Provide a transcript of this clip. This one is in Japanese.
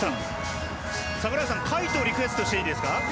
櫻井さん、「カイト」リクエストしていいですか。